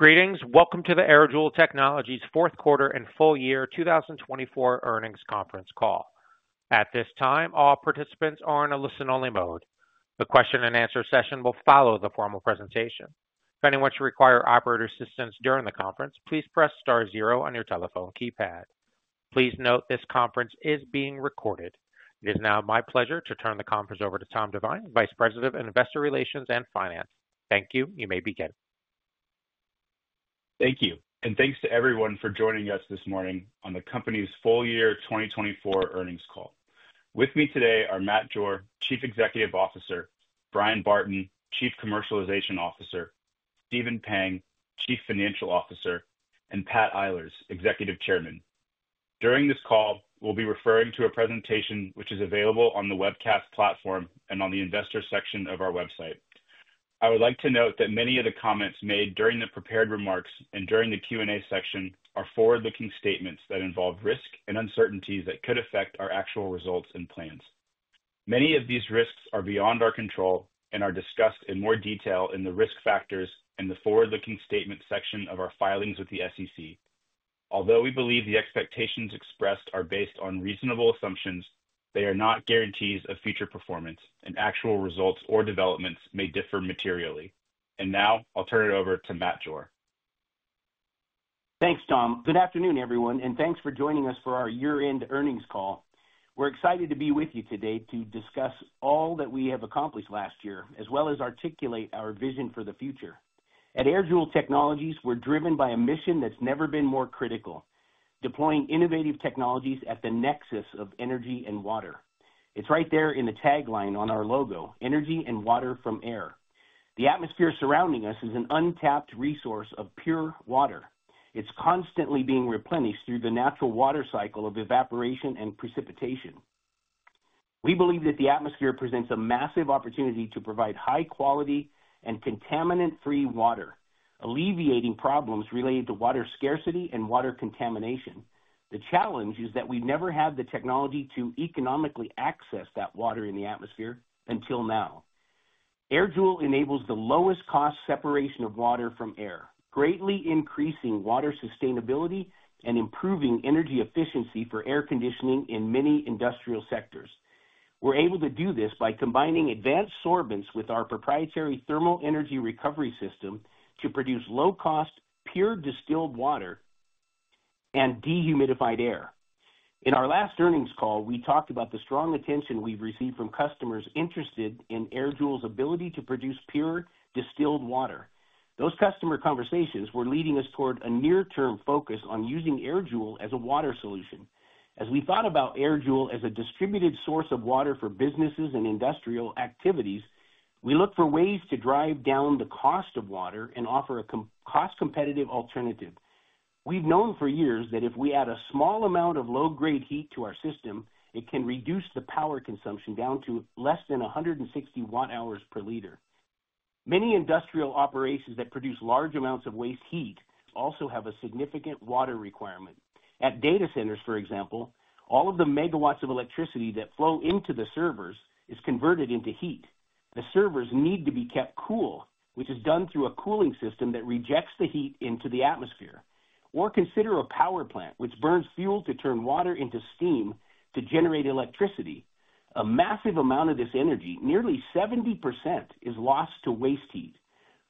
Greetings. Welcome to the AirJoule Technologies fourth quarter and full year 2024 earnings conference call. At this time, all participants are in a listen-only mode. The question-and-answer session will follow the formal presentation. If anyone should require operator assistance during the conference, please press star zero on your telephone keypad. Please note this conference is being recorded. It is now my pleasure to turn the conference over to Tom Divine, Vice President of Investor Relations and Finance. Thank you. You may begin. Thank you. Thanks to everyone for joining us this morning on the company's full year 2024 earnings call. With me today are Matt Jore, Chief Executive Officer; Bryan Barton, Chief Commercialization Officer; Stephen Pang, Chief Financial Officer; and Pat Eilers, Executive Chairman. During this call, we will be referring to a presentation which is available on the webcast platform and on the investor section of our website. I would like to note that many of the comments made during the prepared remarks and during the Q&A section are forward-looking statements that involve risk and uncertainties that could affect our actual results and plans. Many of these risks are beyond our control and are discussed in more detail in the risk factors and the forward-looking statement section of our filings with the SEC. Although we believe the expectations expressed are based on reasonable assumptions, they are not guarantees of future performance, and actual results or developments may differ materially. Now, I'll turn it over to Matt Jore. Thanks, Tom. Good afternoon, everyone, and thanks for joining us for our year-end earnings call. We're excited to be with you today to discuss all that we have accomplished last year, as well as articulate our vision for the future. At AirJoule Technologies, we're driven by a mission that's never been more critical: deploying innovative technologies at the nexus of energy and water. It's right there in the tagline on our logo, "Energy and Water from Air." The atmosphere surrounding us is an untapped resource of pure water. It's constantly being replenished through the natural water cycle of evaporation and precipitation. We believe that the atmosphere presents a massive opportunity to provide high-quality and contaminant-free water, alleviating problems related to water scarcity and water contamination. The challenge is that we've never had the technology to economically access that water in the atmosphere until now. AirJoule enables the lowest-cost separation of water from air, greatly increasing water sustainability and improving energy efficiency for air conditioning in many industrial sectors. We're able to do this by combining advanced sorbents with our proprietary thermal energy recovery system to produce low-cost, pure distilled water and dehumidified air. In our last earnings call, we talked about the strong attention we've received from customers interested in AirJoule's ability to produce pure distilled water. Those customer conversations were leading us toward a near-term focus on using AirJoule as a water solution. As we thought about AirJoule as a distributed source of water for businesses and industrial activities, we looked for ways to drive down the cost of water and offer a cost-competitive alternative. We've known for years that if we add a small amount of low-grade heat to our system, it can reduce the power consumption down to less than 160 watt-hours per liter. Many industrial operations that produce large amounts of waste heat also have a significant water requirement. At data centers, for example, all of the megawatts of electricity that flow into the servers is converted into heat. The servers need to be kept cool, which is done through a cooling system that rejects the heat into the atmosphere. Consider a power plant, which burns fuel to turn water into steam to generate electricity. A massive amount of this energy, nearly 70%, is lost to waste heat.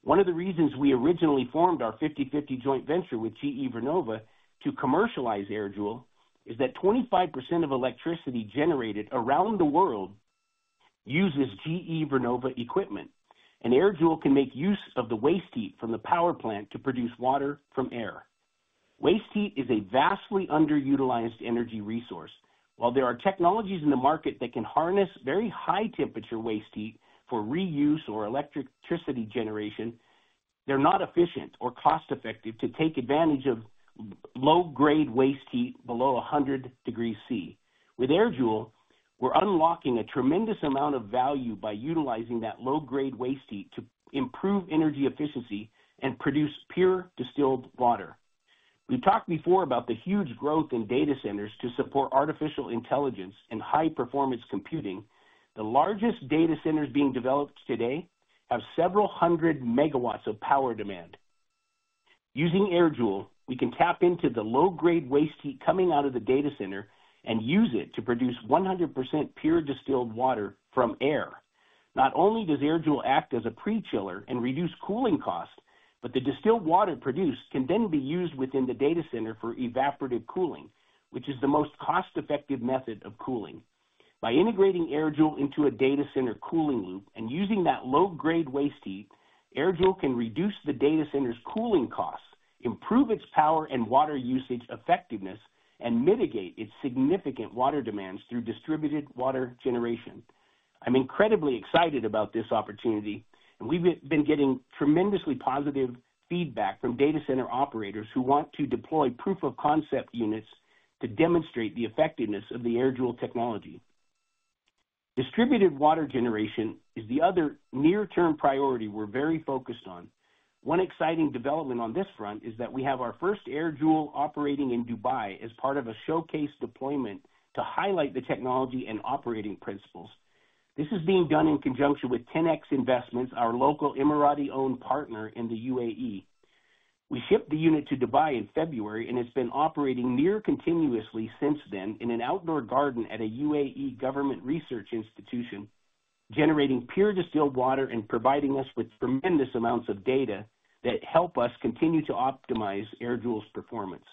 One of the reasons we originally formed our 50/50 joint venture with GE Vernova to commercialize AirJoule is that 25% of electricity generated around the world uses GE Vernova equipment, and AirJoule can make use of the waste heat from the power plant to produce water from air. Waste heat is a vastly underutilized energy resource. While there are technologies in the market that can harness very high-temperature waste heat for reuse or electricity generation, they're not efficient or cost-effective to take advantage of low-grade waste heat below 100 degrees Celsius. With AirJoule, we're unlocking a tremendous amount of value by utilizing that low-grade waste heat to improve energy efficiency and produce pure distilled water. We've talked before about the huge growth in data centers to support artificial intelligence and high-performance computing. The largest data centers being developed today have several hundred megawatts of power demand. Using AirJoule, we can tap into the low-grade waste heat coming out of the data center and use it to produce 100% pure distilled water from air. Not only does AirJoule act as a pre-chiller and reduce cooling costs, but the distilled water produced can then be used within the data center for evaporative cooling, which is the most cost-effective method of cooling. By integrating AirJoule into a data center cooling loop and using that low-grade waste heat, AirJoule can reduce the data center's cooling costs, improve its power and water usage effectiveness, and mitigate its significant water demands through distributed water generation. I'm incredibly excited about this opportunity, and we've been getting tremendously positive feedback from data center operators who want to deploy proof-of-concept units to demonstrate the effectiveness of the AirJoule technology. Distributed water generation is the other near-term priority we're very focused on. One exciting development on this front is that we have our first AirJoule operating in Dubai as part of a showcase deployment to highlight the technology and operating principles. This is being done in conjunction with TenX Investments, our local Emirati-owned partner in the UAE. We shipped the unit to Dubai in February, and it's been operating near continuously since then in an outdoor garden at a UAE government research institution, generating pure distilled water and providing us with tremendous amounts of data that help us continue to optimize AirJoule's performance.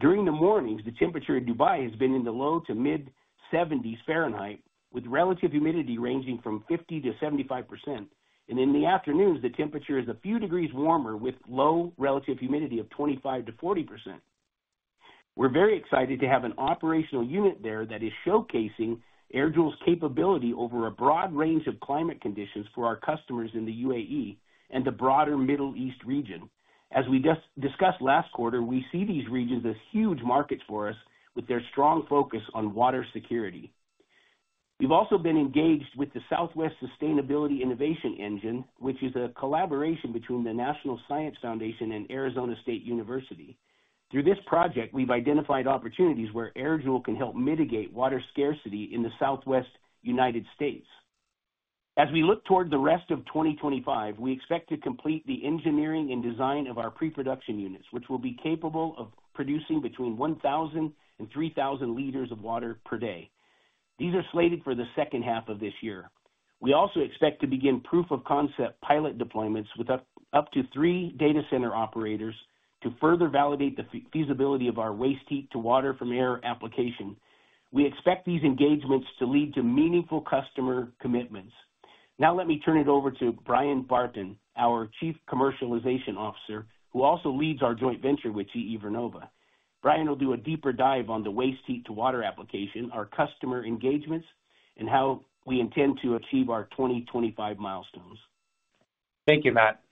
During the mornings, the temperature in Dubai has been in the low to mid-70s degrees Fahrenheit, with relative humidity ranging from 50%-75%. In the afternoons, the temperature is a few degrees warmer, with low relative humidity of 25%-40%. We're very excited to have an operational unit there that is showcasing AirJoule's capability over a broad range of climate conditions for our customers in the UAE and the broader Middle East region. As we discussed last quarter, we see these regions as huge markets for us with their strong focus on water security. We've also been engaged with the Southwest Sustainability Innovation Engine, which is a collaboration between the National Science Foundation and Arizona State University. Through this project, we've identified opportunities where AirJoule can help mitigate water scarcity in the Southwest United States. As we look toward the rest of 2025, we expect to complete the engineering and design of our pre-production units, which will be capable of producing between 1,000 L and 3,000 L of water per day. These are slated for the second half of this year. We also expect to begin proof-of-concept pilot deployments with up to three data center operators to further validate the feasibility of our waste heat-to-water-from-air application. We expect these engagements to lead to meaningful customer commitments. Now, let me turn it over to Bryan Barton, our Chief Commercialization Officer, who also leads our joint venture with GE Vernova. Bryan will do a deeper dive on the waste heat-to-water application, our customer engagements, and how we intend to achieve our 2025 milestones. Thank you, Matt.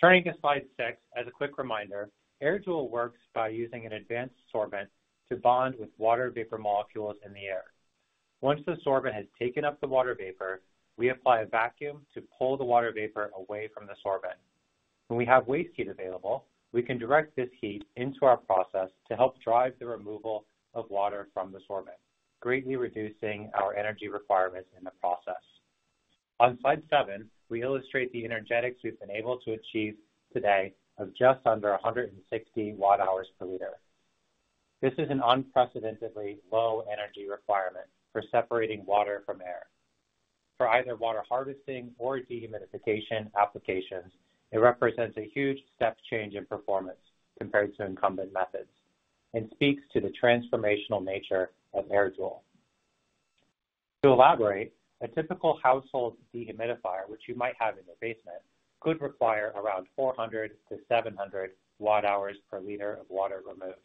Turning to slide six, as a quick reminder, AirJoule works by using an advanced sorbent to bond with water vapor molecules in the air. Once the sorbent has taken up the water vapor, we apply a vacuum to pull the water vapor away from the sorbent. When we have waste heat available, we can direct this heat into our process to help drive the removal of water from the sorbent, greatly reducing our energy requirements in the process. On slide seven, we illustrate the energetics we've been able to achieve today of just under 160 watt-hours per liter. This is an unprecedentedly low energy requirement for separating water from air. For either water harvesting or dehumidification applications, it represents a huge step change in performance compared to incumbent methods and speaks to the transformational nature of AirJoule. To elaborate, a typical household dehumidifier, which you might have in your basement, could require around 400-700 watt-hours per liter of water removed,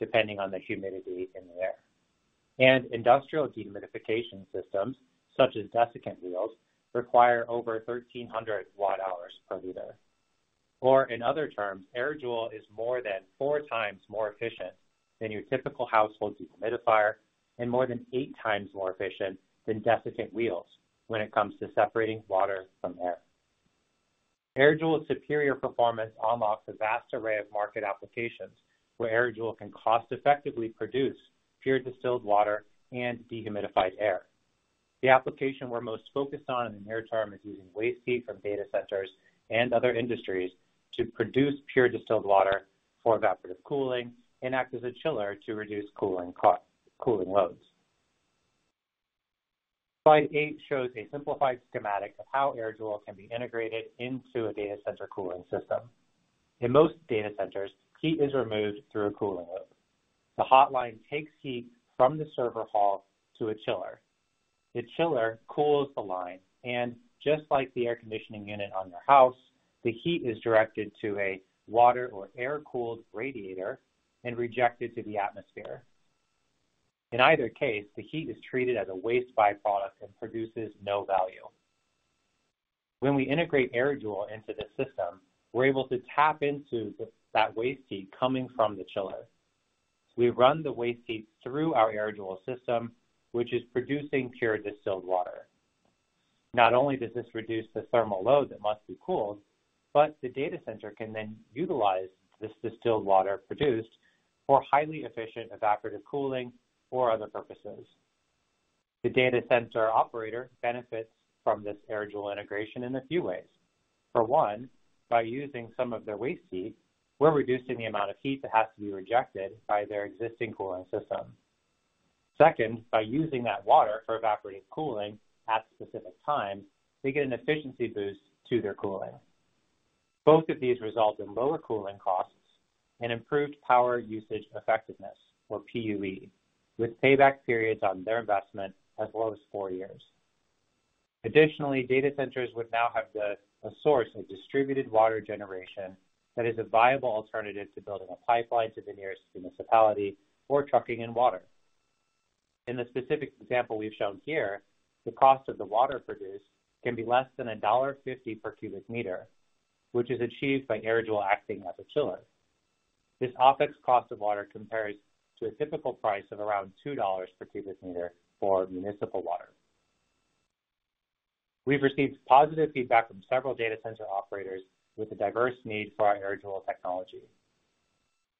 depending on the humidity in the air. Industrial dehumidification systems, such as desiccant wheels, require over 1,300 watt-hours per liter. In other terms, AirJoule is more than four times more efficient than your typical household dehumidifier and more than eight times more efficient than desiccant wheels when it comes to separating water from air. AirJoule's superior performance unlocks a vast array of market applications where AirJoule can cost-effectively produce pure distilled water and dehumidified air. The application we are most focused on in the near term is using waste heat from data centers and other industries to produce pure distilled water for evaporative cooling and act as a chiller to reduce cooling loads. Slide eight shows a simplified schematic of how AirJoule can be integrated into a data center cooling system. In most data centers, heat is removed through a cooling loop. The hot line takes heat from the server hall to a chiller. The chiller cools the line, and just like the air conditioning unit on your house, the heat is directed to a water or air-cooled radiator and rejected to the atmosphere. In either case, the heat is treated as a waste byproduct and produces no value. When we integrate AirJoule into the system, we're able to tap into that waste heat coming from the chiller. We run the waste heat through our AirJoule system, which is producing pure distilled water. Not only does this reduce the thermal load that must be cooled, but the data center can then utilize this distilled water produced for highly efficient evaporative cooling or other purposes. The data center operator benefits from this AirJoule integration in a few ways. For one, by using some of their waste heat, we're reducing the amount of heat that has to be rejected by their existing cooling system. Second, by using that water for evaporative cooling at specific times, they get an efficiency boost to their cooling. Both of these result in lower cooling costs and improved power usage effectiveness, or PUE, with payback periods on their investment as low as four years. Additionally, data centers would now have the source of distributed water generation that is a viable alternative to building a pipeline to the nearest municipality or trucking in water. In the specific example we've shown here, the cost of the water produced can be less than $1.50 per cubic meter, which is achieved by AirJoule acting as a chiller. This OpEx cost of water compares to a typical price of around $2 per cubic meter for municipal water. We've received positive feedback from several data center operators with a diverse need for our AirJoule technology.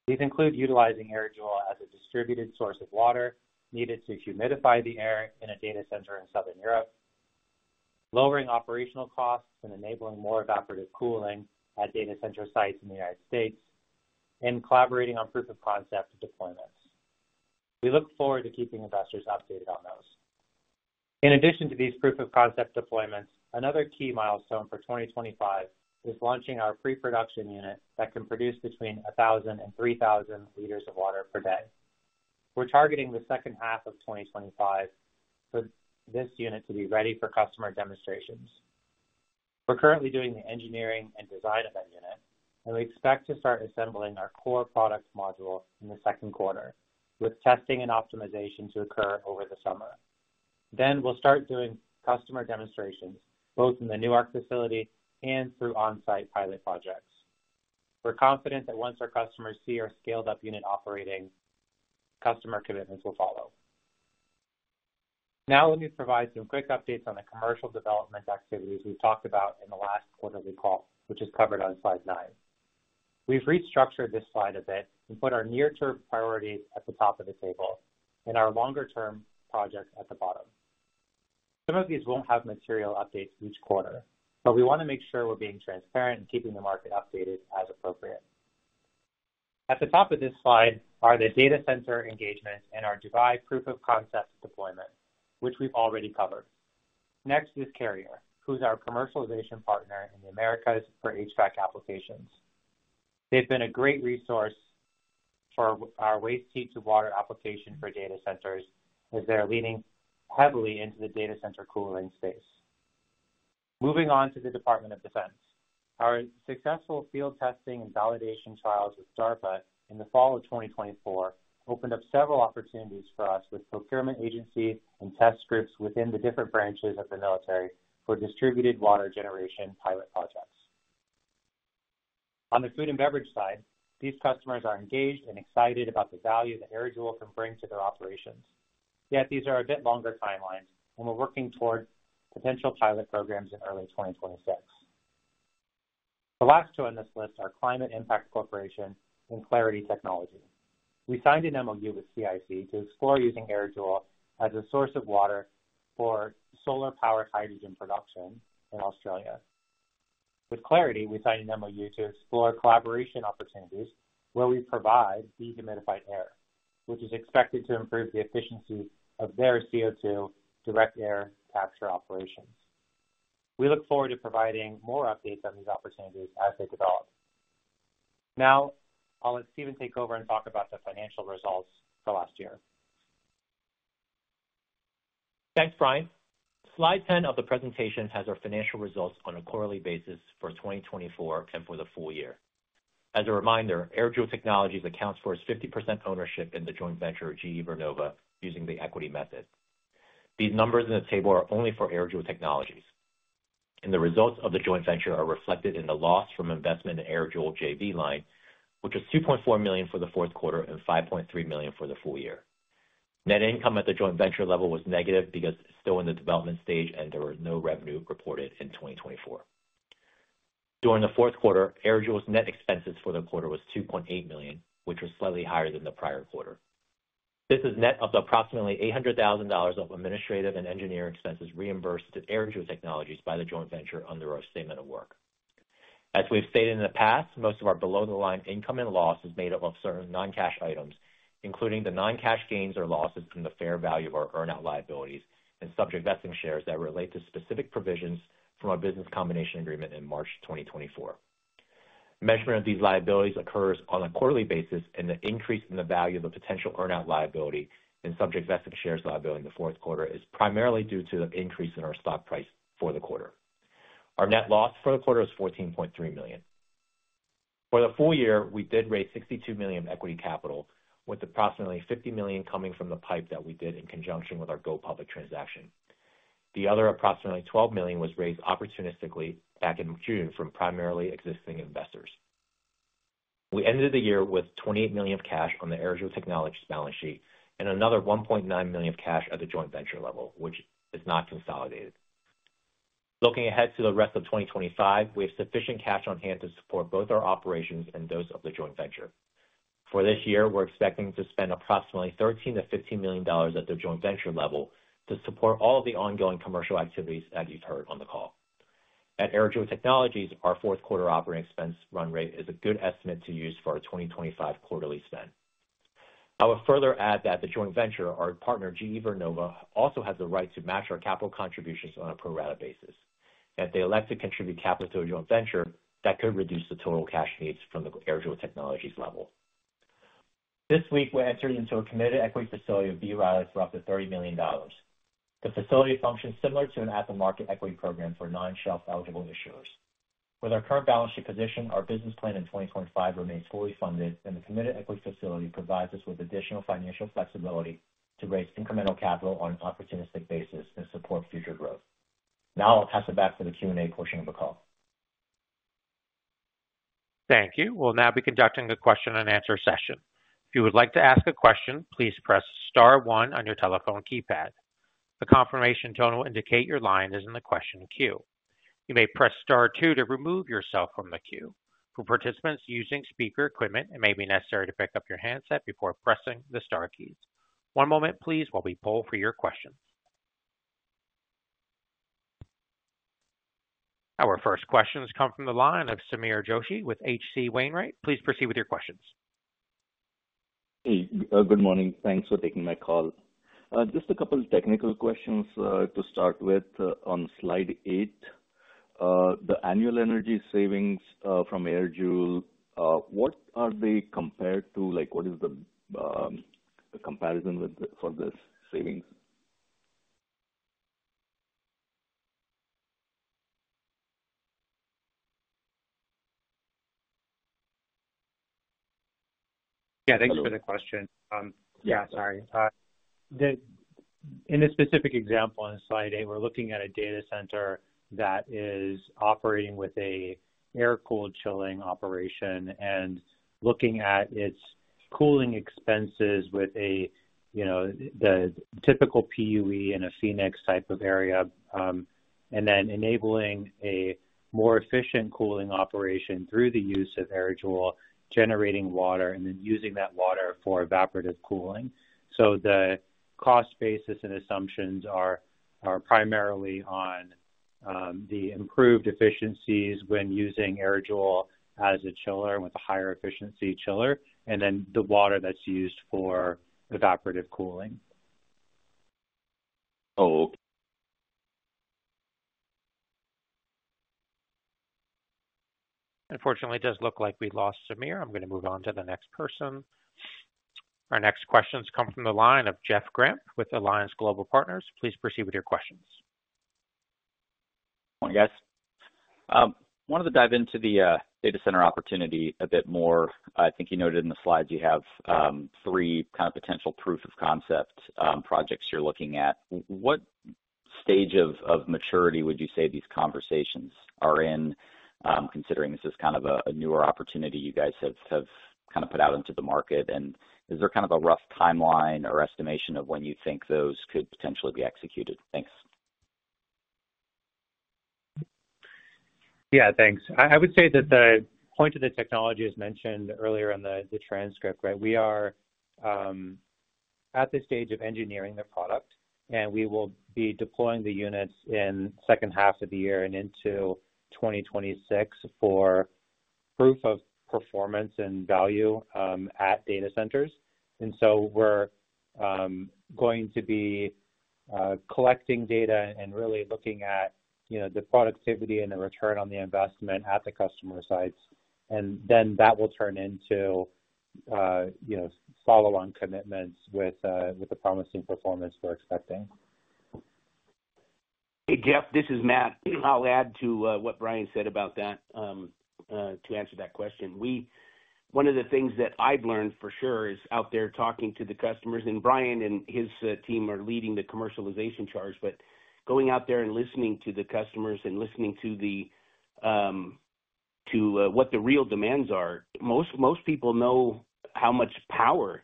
These include utilizing AirJoule as a distributed source of water needed to humidify the air in a data center in Southern Europe, lowering operational costs and enabling more evaporative cooling at data center sites in the United States, and collaborating on proof-of-concept deployments. We look forward to keeping investors updated on those. In addition to these proof-of-concept deployments, another key milestone for 2025 is launching our pre-production unit that can produce between 1,000 and 3,000 liters of water per day. We're targeting the second half of 2025 for this unit to be ready for customer demonstrations. We're currently doing the engineering and design of that unit, and we expect to start assembling our core product module in the second quarter, with testing and optimization to occur over the summer. We will start doing customer demonstrations both in the Newark facility and through on-site pilot projects. We're confident that once our customers see our scaled-up unit operating, customer commitments will follow. Now, let me provide some quick updates on the commercial development activities we've talked about in the last quarterly call, which is covered on slide nine. We've restructured this slide a bit and put our near-term priorities at the top of the table and our longer-term projects at the bottom. Some of these will not have material updates each quarter, but we want to make sure we are being transparent and keeping the market updated as appropriate. At the top of this slide are the data center engagements and our Dubai proof-of-concept deployment, which we have already covered. Next is Carrier, who is our commercialization partner in the Americas for HVAC applications. They have been a great resource for our waste heat-to-water application for data centers as they are leaning heavily into the data center cooling space. Moving on to the Department of Defense, our successful field testing and validation trials with DARPA in the fall of 2024 opened up several opportunities for us with procurement agencies and test groups within the different branches of the military for distributed water generation pilot projects. On the food and beverage side, these customers are engaged and excited about the value that AirJoule can bring to their operations. Yet, these are a bit longer timelines, and we're working toward potential pilot programs in early 2026. The last two on this list are Climate Impact Corporation and Clairity Technology. We signed an MOU with CIC to explore using AirJoule as a source of water for solar-powered hydrogen production in Australia. With Clairity, we signed an MOU to explore collaboration opportunities where we provide dehumidified air, which is expected to improve the efficiency of their CO2 direct-air capture operations. We look forward to providing more updates on these opportunities as they develop. Now, I'll let Stephen take over and talk about the financial results for last year. Thanks, Bryan. Slide 10 of the presentation has our financial results on a quarterly basis for 2024 and for the full year. As a reminder, AirJoule Technologies accounts for its 50% ownership in the joint venture of GE Vernova using the equity method. These numbers in the table are only for AirJoule Technologies. The results of the joint venture are reflected in the loss from investment in AirJoule JV line, which was $2.4 million for the fourth quarter and $5.3 million for the full year. Net income at the joint venture level was negative because it is still in the development stage, and there was no revenue reported in 2024. During the fourth quarter, AirJoule's net expenses for the quarter were $2.8 million, which was slightly higher than the prior quarter. This is net of approximately $800,000 of administrative and engineering expenses reimbursed to AirJoule Technologies by the joint venture under our statement of work. As we've stated in the past, most of our below-the-line income and loss is made up of certain non-cash items, including the non-cash gains or losses from the fair value of our earn-out liabilities and subject vesting shares that relate to specific provisions from our business combination agreement in March 2024. Measurement of these liabilities occurs on a quarterly basis, and the increase in the value of the potential earn-out liability and subject vesting shares liability in the fourth quarter is primarily due to the increase in our stock price for the quarter. Our net loss for the quarter was $14.3 million. For the full year, we did raise $62 million of equity capital, with approximately $50 million coming from the PIPE that we did in conjunction with our go-public transaction. The other approximately $12 million was raised opportunistically back in June from primarily existing investors. We ended the year with $28 million of cash on the AirJoule Technologies balance sheet and another $1.9 million of cash at the joint venture level, which is not consolidated. Looking ahead to the rest of 2025, we have sufficient cash on hand to support both our operations and those of the joint venture. For this year, we're expecting to spend approximately $13 million-$15 million at the joint venture level to support all of the ongoing commercial activities that you've heard on the call. At AirJoule Technologies, our fourth quarter operating expense run rate is a good estimate to use for our 2025 quarterly spend. I would further add that the joint venture, our partner GE Vernova, also has the right to match our capital contributions on a pro-rata basis. If they elect to contribute capital to a joint venture, that could reduce the total cash needs from the AirJoule Technologies level. This week, we entered into a committed equity facility of B. Riley for up to $30 million. The facility functions similar to an after-market equity program for non-shelf eligible issuers. With our current balance sheet position, our business plan in 2025 remains fully funded, and the committed equity facility provides us with additional financial flexibility to raise incremental capital on an opportunistic basis and support future growth. Now, I'll pass it back to the Q&A portion of the call. Thank you. We'll now be conducting a question-and-answer session. If you would like to ask a question, please press star one on your telephone keypad. The confirmation tone will indicate your line is in the question queue. You may press star two to remove yourself from the queue. For participants using speaker equipment, it may be necessary to pick up your handset before pressing the star keys. One moment, please, while we pull for your questions. Our first questions come from the line of Sameer Joshi with H.C. Wainwright. Please proceed with your questions. Hey, good morning. Thanks for taking my call. Just a couple of technical questions to start with. On slide eight, the annual energy savings from AirJoule, what are they compared to? What is the comparison for this savings? Yeah, thank you for the question. Yeah, sorry. In this specific example on slide eight, we're looking at a data center that is operating with an air-cooled chilling operation and looking at its cooling expenses with the typical PUE in a Phoenix type of area, and then enabling a more efficient cooling operation through the use of AirJoule, generating water, and then using that water for evaporative cooling. The cost basis and assumptions are primarily on the improved efficiencies when using AirJoule as a chiller with a higher efficiency chiller, and then the water that's used for evaporative cooling. Oh. Unfortunately, it does look like we lost Sameer. I'm going to move on to the next person. Our next questions come from the line of Jeff Grampp with Alliance Global Partners. Please proceed with your questions. Yes. I wanted to dive into the data center opportunity a bit more. I think you noted in the slides you have three kind of potential proof-of-concept projects you are looking at. What stage of maturity would you say these conversations are in, considering this is kind of a newer opportunity you guys have kind of put out into the market? Is there kind of a rough timeline or estimation of when you think those could potentially be executed? Thanks. Yeah, thanks. I would say that the point of the technology as mentioned earlier in the transcript, right? We are at the stage of engineering the product, and we will be deploying the units in the second half of the year and into 2026 for proof of performance and value at data centers. We are going to be collecting data and really looking at the productivity and the return on the investment at the customer sites. That will turn into follow-on commitments with the promising performance we're expecting. Hey, Jeff, this is Matt. I'll add to what Bryan said about that to answer that question. One of the things that I've learned for sure is out there talking to the customers, and Bryan and his team are leading the commercialization charge, but going out there and listening to the customers and listening to what the real demands are. Most people know how much power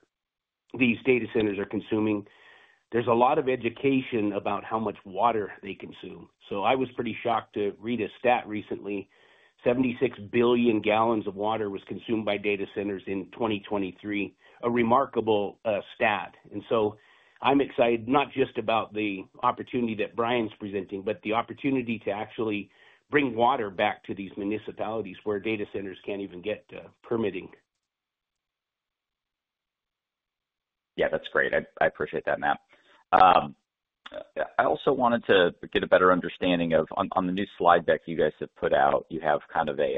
these data centers are consuming. There is a lot of education about how much water they consume. I was pretty shocked to read a stat recently: 76 billion gallons of water was consumed by data centers in 2023, a remarkable stat. I am excited not just about the opportunity that Bryan is presenting, but the opportunity to actually bring water back to these municipalities where data centers cannot even get permitting. Yeah, that's great. I appreciate that, Matt. I also wanted to get a better understanding of, on the new slide deck you guys have put out, you have kind of a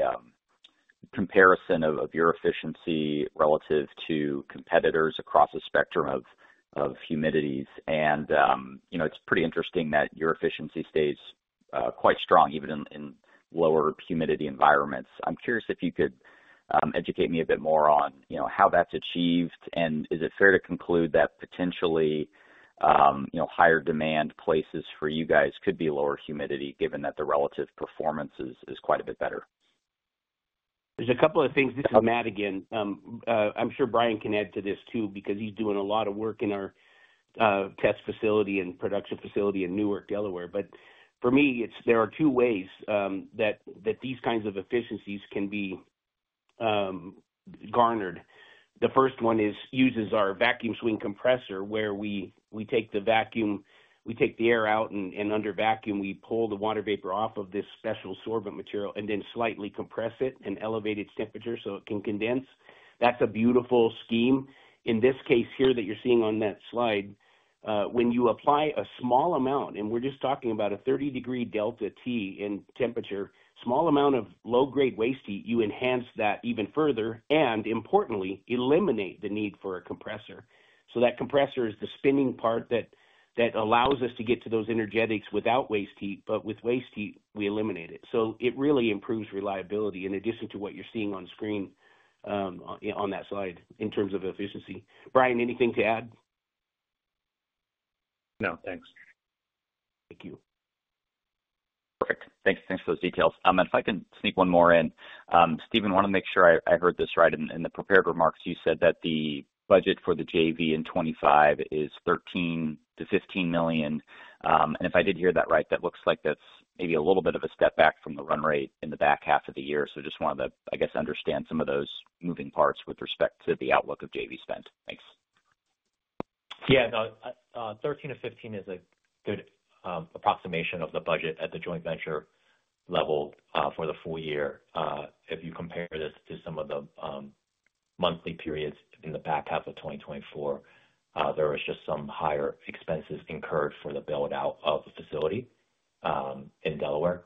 comparison of your efficiency relative to competitors across the spectrum of humidities. It's pretty interesting that your efficiency stays quite strong even in lower humidity environments. I'm curious if you could educate me a bit more on how that's achieved, and is it fair to conclude that potentially higher demand places for you guys could be lower humidity given that the relative performance is quite a bit better? There's a couple of things. This is Matt again. I'm sure Bryan can add to this too because he's doing a lot of work in our test facility and production facility in Newark, Delaware. For me, there are two ways that these kinds of efficiencies can be garnered. The first one uses our vacuum swing compressor where we take the vacuum, we take the air out, and under vacuum, we pull the water vapor off of this special sorbent material and then slightly compress it and elevate its temperature so it can condense. That's a beautiful scheme. In this case here that you're seeing on that slide, when you apply a small amount, and we're just talking about a 30-degree delta T in temperature, a small amount of low-grade waste heat, you enhance that even further and, importantly, eliminate the need for a compressor. That compressor is the spinning part that allows us to get to those energetics without waste heat, but with waste heat, we eliminate it. It really improves reliability in addition to what you're seeing on screen on that slide in terms of efficiency. Bryan, anything to add? No, thanks. Thank you. Perfect. Thanks for those details. If I can sneak one more in, Stephen, I want to make sure I heard this right. In the prepared remarks, you said that the budget for the JV in 2025 is $13 million-$15 million. If I did hear that right, that looks like that's maybe a little bit of a step back from the run rate in the back half of the year. I just wanted to, I guess, understand some of those moving parts with respect to the outlook of JV spend. Thanks. Yeah, no, $13 million-$15 million is a good approximation of the budget at the joint venture level for the full year. If you compare this to some of the monthly periods in the back half of 2024, there was just some higher expenses incurred for the build-out of the facility in Delaware,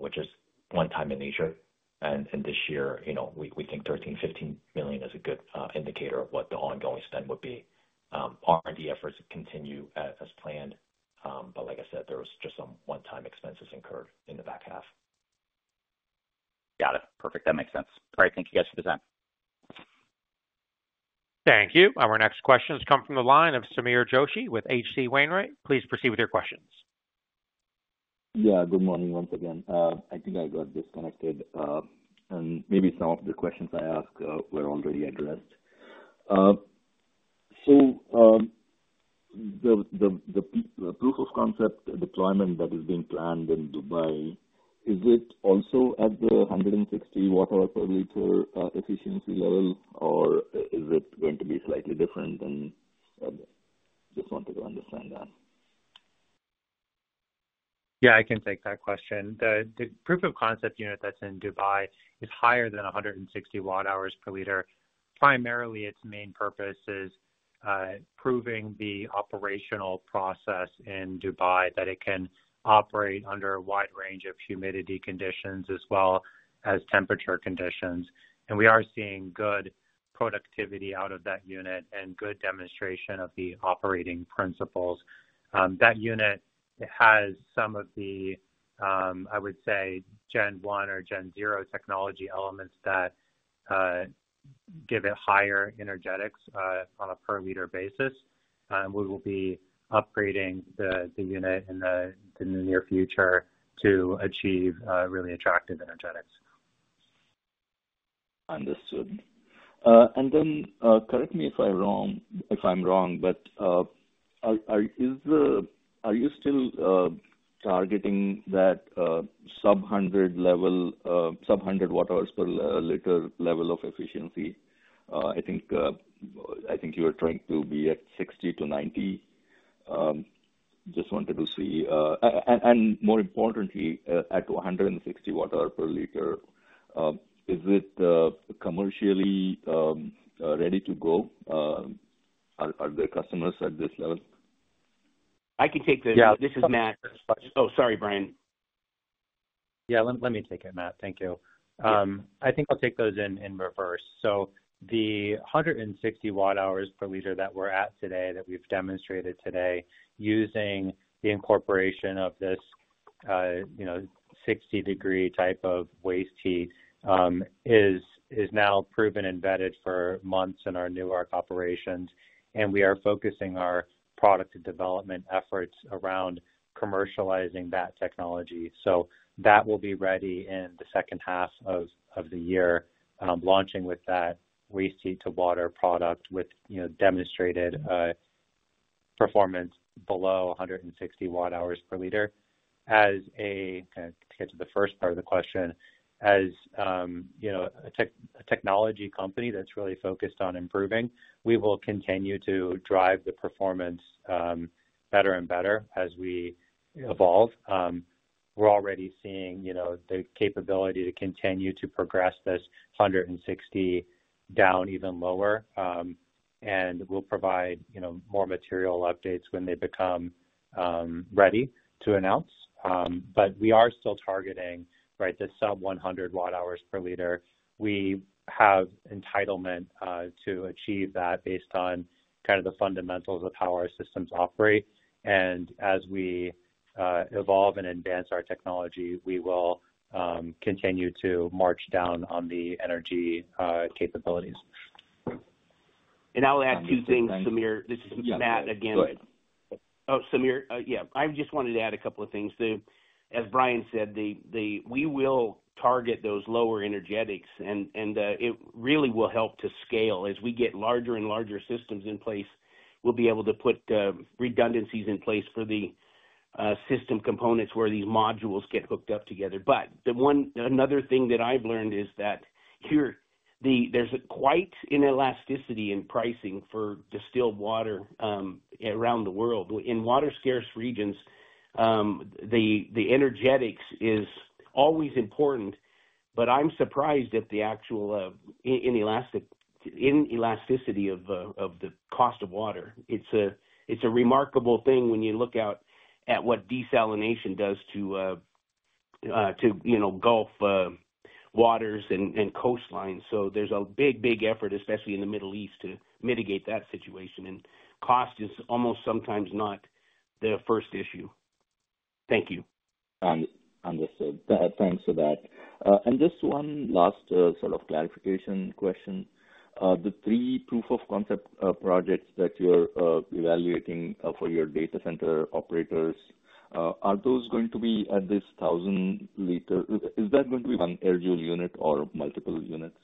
which is one time in nature. This year, we think $13 million-$15 million is a good indicator of what the ongoing spend would be. R&D efforts continue as planned, but like I said, there was just some one-time expenses incurred in the back half. Got it. Perfect. That makes sense. All right, thank you guys for the time. Thank you. Our next questions come from the line of Sameer Joshi with H.C. Wainwright. Please proceed with your questions. Yeah, good morning once again. I think I got disconnected, and maybe some of the questions I asked were already addressed. The proof of concept deployment that is being planned in Dubai, is it also at the 160 watt-hour per liter efficiency level, or is it going to be slightly different? I just wanted to understand that. Yeah, I can take that question. The proof of concept unit that's in Dubai is higher than 160 watt-hours per liter. Primarily, its main purpose is proving the operational process in Dubai that it can operate under a wide range of humidity conditions as well as temperature conditions. We are seeing good productivity out of that unit and good demonstration of the operating principles. That unit has some of the, I would say, Gen 1 or Gen 0 technology elements that give it higher energetics on a per-liter basis. We will be upgrading the unit in the near future to achieve really attractive energetics. Understood. Correct me if I'm wrong, but are you still targeting that sub-100 watt-hours per liter level of efficiency? I think you were trying to be at 60-90 watt-hours per liter. Just wanted to see. More importantly, at 160 watt-hours per liter, is it commercially ready to go? Are there customers at this level? I can take this. This is Matt. Oh, sorry, Bryan. Yeah, let me take it, Matt. Thank you. I think I'll take those in reverse. The 160 watt-hours per liter that we're at today that we've demonstrated today using the incorporation of this 60-degree type of waste heat is now proven embedded for months in our Newark operations. We are focusing our product development efforts around commercializing that technology. That will be ready in the second half of the year, launching with that waste heat to water product with demonstrated performance below 160 watt-hours per liter. To get to the first part of the question, as a technology company that's really focused on improving, we will continue to drive the performance better and better as we evolve. We're already seeing the capability to continue to progress this 160 down even lower, and we'll provide more material updates when they become ready to announce. We are still targeting, right, the sub-100 watt-hours per liter. We have entitlement to achieve that based on kind of the fundamentals of how our systems operate. As we evolve and advance our technology, we will continue to march down on the energy capabilities. I'll add two things, Sameer. This is Matt again. Oh, Sameer, yeah. I just wanted to add a couple of things too. As Bryan said, we will target those lower energetics, and it really will help to scale. As we get larger and larger systems in place, we'll be able to put redundancies in place for the system components where these modules get hooked up together. Another thing that I've learned is that here, there's quite an elasticity in pricing for distilled water around the world. In water-scarce regions, the energetics is always important, but I'm surprised at the actual inelasticity of the cost of water. It's a remarkable thing when you look out at what desalination does to Gulf waters and coastlines. There is a big, big effort, especially in the Middle East, to mitigate that situation. Cost is almost sometimes not the first issue. Thank you. Understood. Thanks for that. Just one last sort of clarification question. The three proof-of-concept projects that you're evaluating for your data center operators, are those going to be at this 1,000 L? Is that going to be one AirJoule unit or multiple units?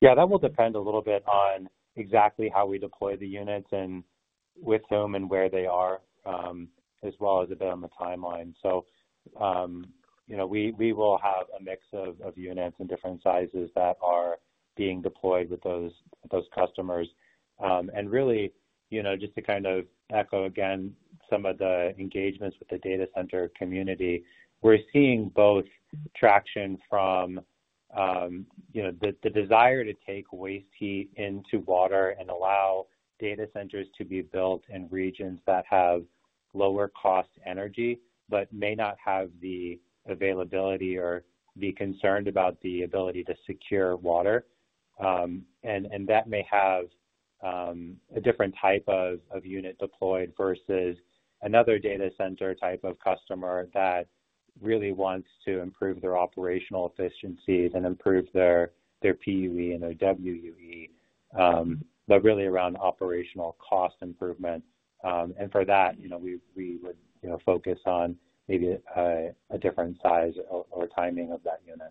Yeah, that will depend a little bit on exactly how we deploy the units and with whom and where they are, as well as a bit on the timeline. We will have a mix of units and different sizes that are being deployed with those customers. Really, just to kind of echo again some of the engagements with the data center community, we're seeing both traction from the desire to take waste heat into water and allow data centers to be built in regions that have lower-cost energy but may not have the availability or be concerned about the ability to secure water. That may have a different type of unit deployed versus another data center type of customer that really wants to improve their operational efficiencies and improve their PUE and their WUE, but really around operational cost improvement. For that, we would focus on maybe a different size or timing of that unit.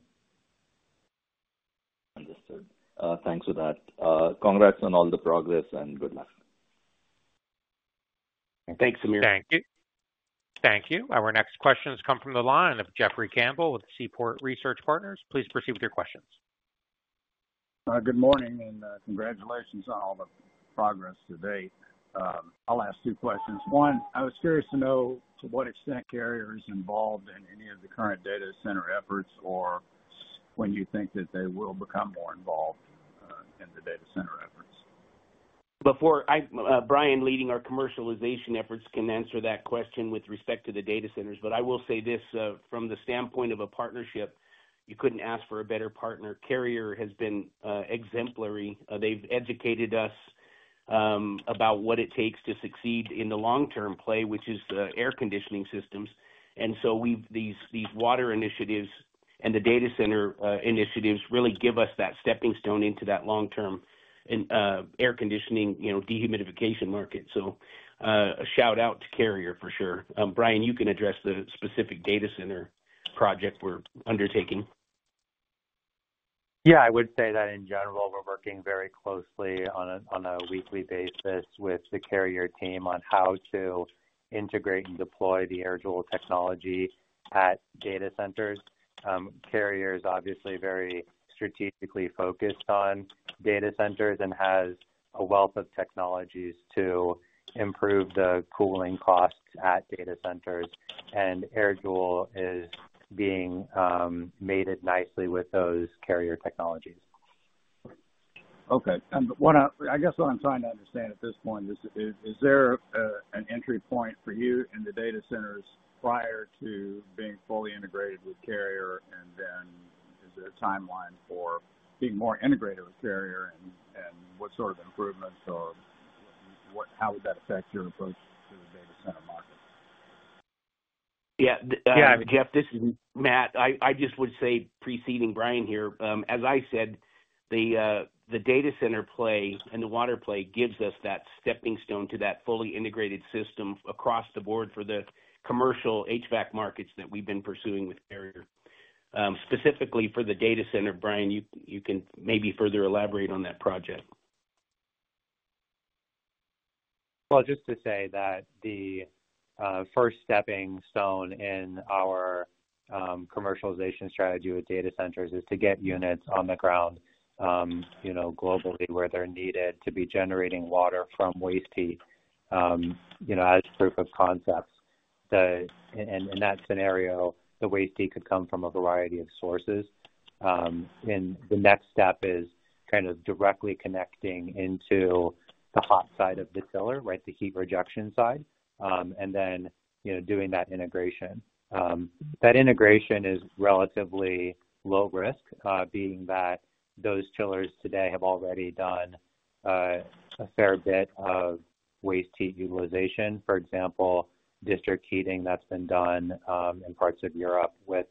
Understood. Thanks for that. Congrats on all the progress and good luck. Thanks, Sameer. Thank you. Our next questions come from the line of Jeffrey Campbell with Seaport Research Partners. Please proceed with your questions. Good morning and congratulations on all the progress to date. I'll ask two questions. One, I was curious to know to what extent Carrier are involved in any of the current data center efforts or when you think that they will become more involved in the data center efforts? Before Bryan, leading our commercialization efforts, can answer that question with respect to the data centers. I will say this: from the standpoint of a partnership, you could not ask for a better partner. Carrier has been exemplary. They have educated us about what it takes to succeed in the long-term play, which is air conditioning systems. These water initiatives and the data center initiatives really give us that stepping stone into that long-term air conditioning dehumidification market. A shout-out to Carrier for sure. Bryan, you can address the specific data center project we are undertaking. Yeah, I would say that in general, we're working very closely on a weekly basis with the Carrier team on how to integrate and deploy the AirJoule technology at data centers. Carrier is obviously very strategically focused on data centers and has a wealth of technologies to improve the cooling costs at data centers. AirJoule is being mated nicely with those Carrier technologies. Okay. I guess what I'm trying to understand at this point is, is there an entry point for you in the data centers prior to being fully integrated with Carrier? Is there a timeline for being more integrated with Carrier and what sort of improvements or how would that affect your approach to the data center market? Yeah. Yeah, Jeff, this is Matt. I just would say, preceding Bryan here, as I said, the data center play and the water play gives us that stepping stone to that fully integrated system across the board for the commercial HVAC markets that we've been pursuing with Carrier. Specifically for the data center, Bryan, you can maybe further elaborate on that project. The first stepping stone in our commercialization strategy with data centers is to get units on the ground globally where they're needed to be generating water from waste heat as proof of concept. In that scenario, the waste heat could come from a variety of sources. The next step is kind of directly connecting into the hot side of the chiller, right, the heat rejection side, and then doing that integration. That integration is relatively low-risk, being that those chillers today have already done a fair bit of waste heat utilization. For example, district heating that's been done in parts of Europe with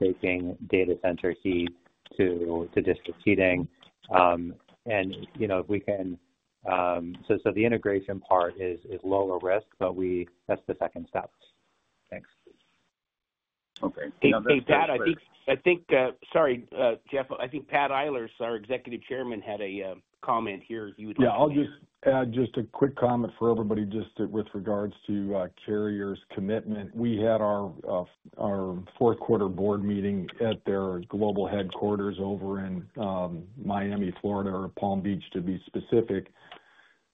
taking data center heat to district heating. If we can—the integration part is lower risk, but that's the second step. Okay. Thanks, Matt. I think—sorry, Jeff. I think Pat Eilers, our Executive Chairman, had a comment here. He would like to— Yeah, I'll just add just a quick comment for everybody just with regards to Carrier's commitment. We had our fourth-quarter board meeting at their global headquarters over in Palm Beach, Florida, to be specific,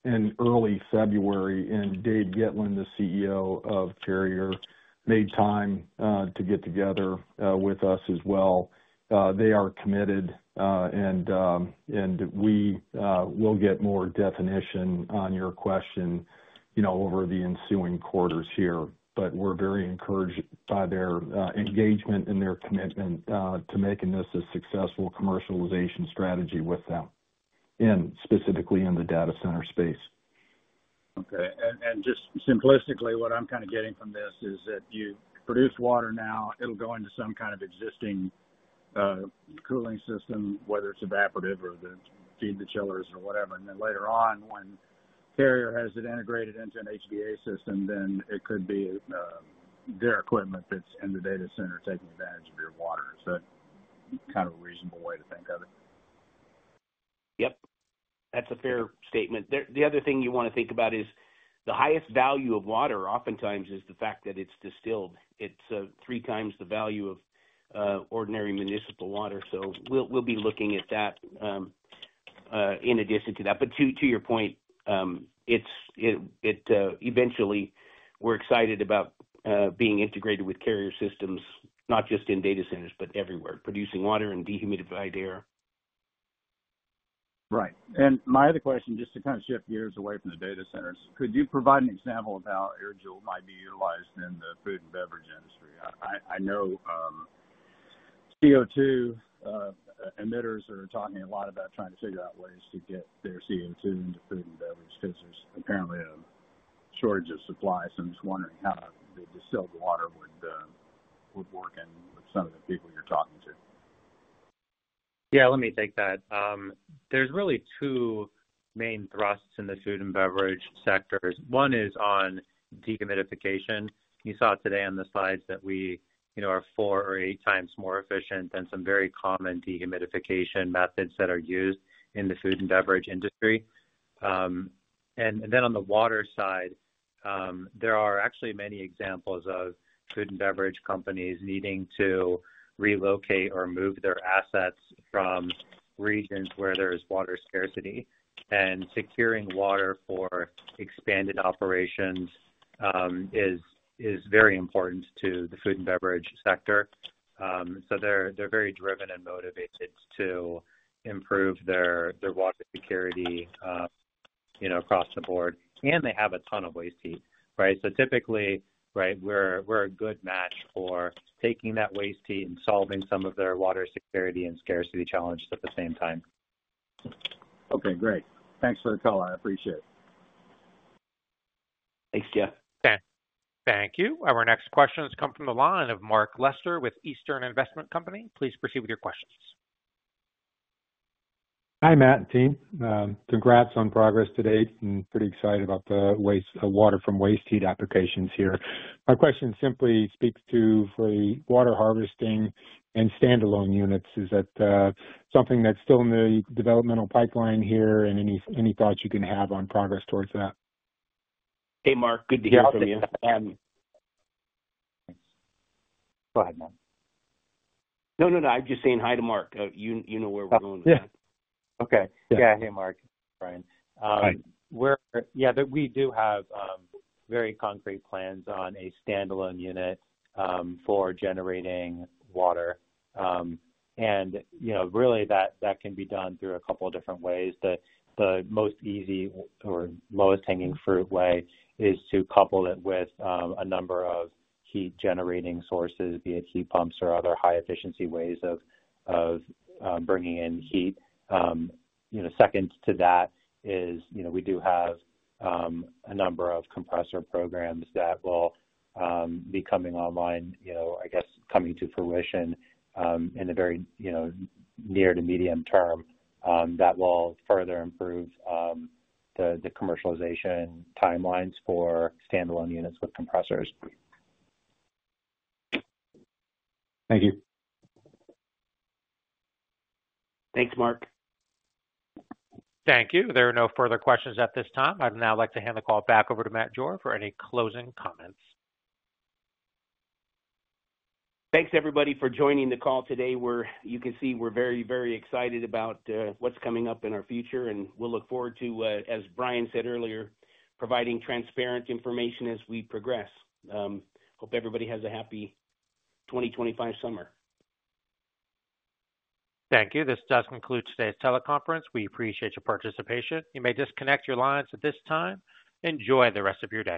in early February. Dave Gitlin, the CEO of Carrier, made time to get together with us as well. They are committed, and we will get more definition on your question over the ensuing quarters here. We are very encouraged by their engagement and their commitment to making this a successful commercialization strategy with them, and specifically in the data center space. Okay. Just simplistically, what I'm kind of getting from this is that you produce water now. It'll go into some kind of existing cooling system, whether it's evaporative or to feed the chillers or whatever. Later on, when Carrier has it integrated into an HVAC system, then it could be their equipment that's in the data center taking advantage of your water. Is that kind of a reasonable way to think of it? Yep. That's a fair statement. The other thing you want to think about is the highest value of water oftentimes is the fact that it's distilled. It's 3x the value of ordinary municipal water. We will be looking at that in addition to that. To your point, eventually, we're excited about being integrated with Carrier systems, not just in data centers, but everywhere, producing water and dehumidified air. Right. My other question, just to kind of shift gears away from the data centers, could you provide an example of how AirJoule might be utilized in the food and beverage industry? I know CO2 emitters are talking a lot about trying to figure out ways to get their CO2 into food and beverage because there is apparently a shortage of supply. I am just wondering how the distilled water would work in with some of the people you are talking to. Yeah, let me take that. There are really two main thrusts in the food and beverage sectors. One is on dehumidification. You saw today on the slides that we are four or eight times more efficient than some very common dehumidification methods that are used in the food and beverage industry. Then on the water side, there are actually many examples of food and beverage companies needing to relocate or move their assets from regions where there is water scarcity. Securing water for expanded operations is very important to the food and beverage sector. They are very driven and motivated to improve their water security across the board. They have a ton of waste heat, right? Typically, we are a good match for taking that waste heat and solving some of their water security and scarcity challenges at the same time. Okay. Great. Thanks for the call. I appreciate it. Thanks, Jeff. Okay. Thank you. Our next questions come from the line of Mark Lester with Eastern Investment Company. Please proceed with your questions. Hi, Matt and team. Congrats on progress to date and pretty excited about the water from waste heat applications here. My question simply speaks to, for the water harvesting and standalone units, is that something that's still in the developmental pipeline here and any thoughts you can have on progress towards that? Hey, Mark. Good to hear from you. Thanks. Go ahead, Matt. No, no, no. I'm just saying hi to Mark. You know where we're going with that. Okay. Yeah. Hey, Mark. Bryan. Yeah, we do have very concrete plans on a standalone unit for generating water. Really, that can be done through a couple of different ways. The most easy or lowest-hanging fruit way is to couple it with a number of heat-generating sources, be it heat pumps or other high-efficiency ways of bringing in heat. Second to that is we do have a number of compressor programs that will be coming online, I guess, coming to fruition in the very near to medium term that will further improve the commercialization timelines for standalone units with compressors. Thank you. Thanks, Mark. Thank you. There are no further questions at this time. I'd now like to hand the call back over to Matt Jore for any closing comments. Thanks, everybody, for joining the call today. You can see we're very, very excited about what's coming up in our future. We look forward to, as Bryan said earlier, providing transparent information as we progress. Hope everybody has a happy 2025 summer. Thank you. This does conclude today's teleconference. We appreciate your participation. You may disconnect your lines at this time. Enjoy the rest of your day.